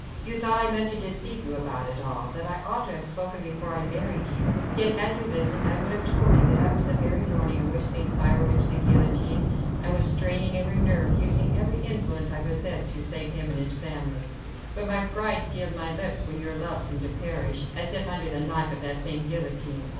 You thought I meant to deceive you about it all—that I ought to have spoken before I married you: yet, had you listened, I would have told you that up to the very morning on which St. Cyr went to the guillotine, I was straining every nerve, using every influence I possessed, to save him and his family. But my pride sealed my lips, when your love seemed to perish, as if under the knife of that same guillotine.